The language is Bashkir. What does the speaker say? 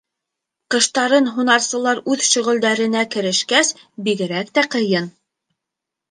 Ҡыштарын һунарсылар үҙ шөғөлдәренә керешкәс, бигерәк тә ҡыйын.